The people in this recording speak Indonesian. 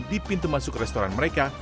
di pintu masuk restoran mereka